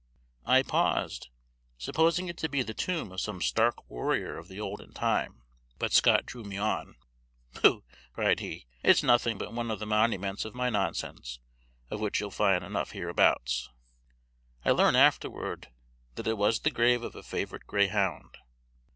I paused, supposing it to be the tomb of some stark warrior of the olden time, but Scott drew me on. "Pooh!" cried he, "it's nothing but one of the monuments of my nonsense, of which you'll find enough hereabouts." I learnt afterward that it was the grave of a favorite greyhound.